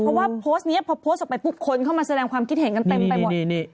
เพราะว่าโพสต์นี้พอโพสต์ออกไปปุ๊บคนเข้ามาแสดงความคิดเห็นกันเต็มไปหมด